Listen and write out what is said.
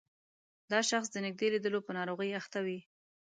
دا شخص د نږدې لیدلو په ناروغۍ اخته وي.